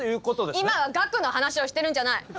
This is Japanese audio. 今は額の話をしてるんじゃない！